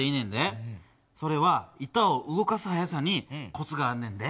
それは板を動かす速さにコツがあんねんで。